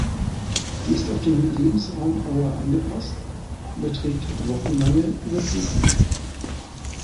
Sie ist auf den Lebensraum Aue angepasst und erträgt wochenlange Überflutungen.